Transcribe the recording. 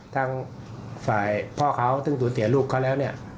ทางฝ่ายพ่อเขาซึ่งตัวเสียลูกเขาแล้ว